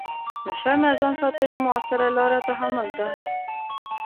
له شر نه ځان ساتنې مؤثره لاره تحمل ده.